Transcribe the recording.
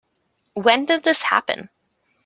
When did this happen?